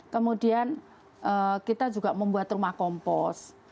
kemudian kita juga membuat rumah kompos